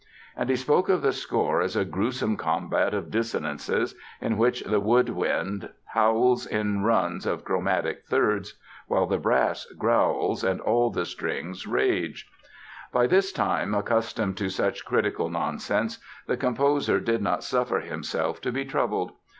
And he spoke of the score as a gruesome combat of dissonances in which the wood wind howls in runs of chromatic thirds while the brass growls and all the strings rage! By this time accustomed to such critical nonsense the composer did not suffer himself to be troubled.